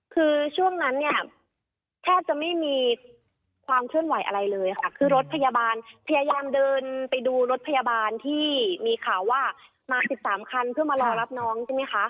คือช่วงนั้นแทบจะไม่มีความเคลื่อนไหวอะไรเลยทียามเดินไปดูรถพยาบาลที่มีข่าวว่ามา๑๓คันเพื่อมารอรับน้อง